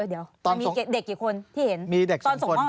เดี๋ยวมีเด็กกี่คนที่เห็น